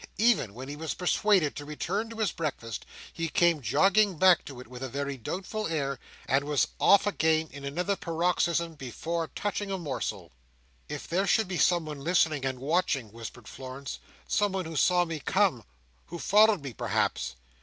Even when he was persuaded to return to his breakfast, he came jogging back to it, with a very doubtful air; and was off again, in another paroxysm, before touching a morsel. "If there should be someone listening and watching," whispered Florence. "Someone who saw me come—who followed me, perhaps."